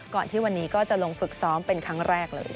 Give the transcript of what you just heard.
ที่วันนี้ก็จะลงฝึกซ้อมเป็นครั้งแรกเลย